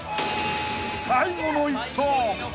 ［最後の１投］